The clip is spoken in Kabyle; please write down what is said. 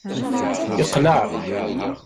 Yeqleɛ.